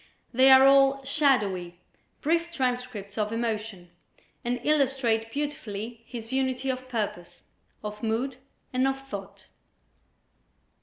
They are all shadowy, brief transcripts of emotion, and illustrate beautifully his unity of purpose, of mood and of thought.